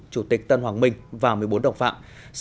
chủ tịch tân hoàng minh và một mươi bốn đồng phạm